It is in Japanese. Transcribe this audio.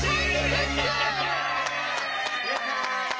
やった！